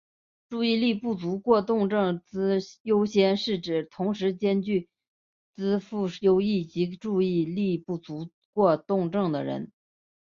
注意力不足过动症资优生是指同时兼具资赋优异及注意力不足过动症的人。